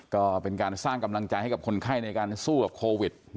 ก็เป็นการสร้างกำลังใจให้กับคนไข้ในการสู้กับโควิด